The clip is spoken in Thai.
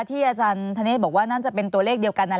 ที่อาจารย์ธเนธบอกว่าน่าจะเป็นตัวเลขเดียวกัน